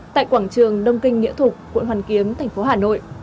tại quảng trường đông kinh nghĩa thục quận hoàn kiếm thành phố hà nội